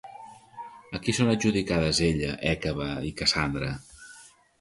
A qui són adjudicades ella, Hècabe i Cassandra?